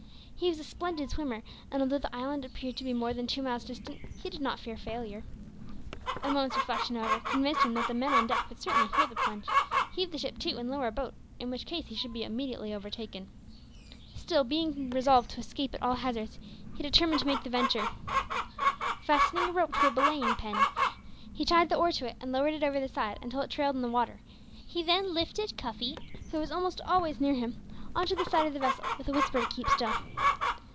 He was a splendid swimmer, and although the island appeared to be more than two miles distant, he did not fear failure. A moment's reflection, however, convinced him that the men on deck would certainly hear the plunge, heave the ship to, and lower a boat, in which case he should be immediately overtaken. Still, being resolved to escape at all hazards, he determined to make the venture. Fastening a rope to a belaying pin, he tied the oar to it and lowered it over the side until it trailed in the water, he then lifted Cuffy, who was almost always near him, on to the side of the vessel, with a whisper to keep still.